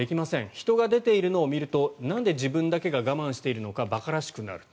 人が出ているのを見るとなんで自分だけが我慢しているのか馬鹿らしくなると。